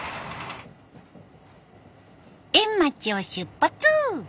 円町を出発！